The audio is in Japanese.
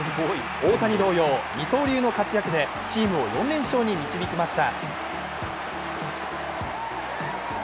大谷同様、二刀流の活躍でチームを４連勝に導きました。